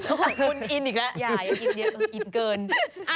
ต้องกอนอินอีกแล้ว